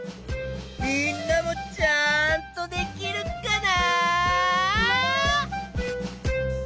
みんなもちゃんとできるかな？